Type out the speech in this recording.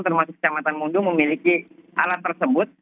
termasuk kecamatan mudu memiliki alat tersebut